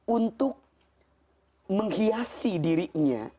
untuk menghiasi dirinya